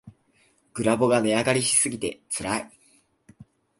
グラボが値上がりしすぎてつらい